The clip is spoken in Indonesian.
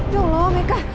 ya allah meka